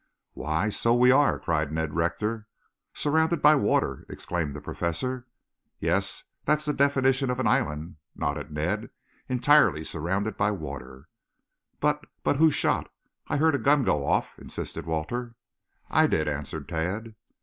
"Why, so we are," cried Ned Rector. "Surrounded by water?" exclaimed the Professor. "Yes, that's the definition of an island," nodded Ned. "Entirely surrounded by water." "But but, who shot? I heard a gun go off," insisted Walter. "I did," answered Tad.